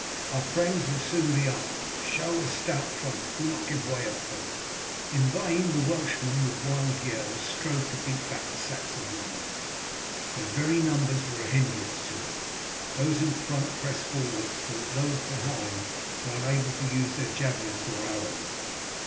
"Our friends will soon be up. Show a stout front. Do not give way a foot." In vain the Welshmen, with wild yells, strove to beat back the Saxon line. Their very numbers were a hindrance to them. Those in front pressed forward, so that those behind were unable to use their javelins or arrows.